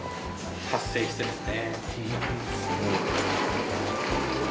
発生してますね。